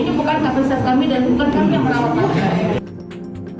jadi ini bukan kapasitas kami dan bukan kami yang merawat